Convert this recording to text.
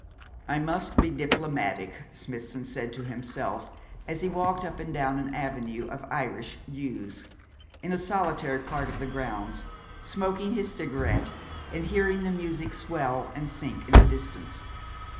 'I must be diplomatic,' Smithson said to himself, as he walked up and down an avenue of Irish yews, in a solitary part of the grounds, smoking his cigarette, and hearing the music swell and sink in the distance.